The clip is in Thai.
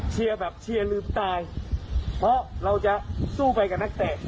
แบบเชียร์ลืมตายเพราะเราจะสู้ไปกับนักเตะ